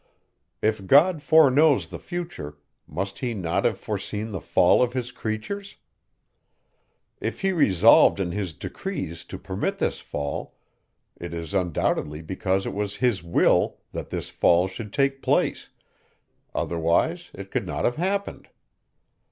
If God foreknows the future, must he not have foreseen the fall of his creatures? If he resolved in his decrees to permit this fall, it is undoubtedly because it was his will that this fall should take place, otherwise it could not have happened.